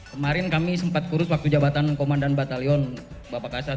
kemarin kami sempat kurus waktu jabatan komandan batalion bapak kasat